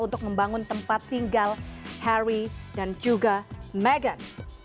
untuk membangun tempat tinggal harry dan juga meghan